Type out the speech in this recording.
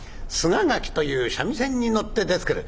清掻という三味線にのって出てくる」。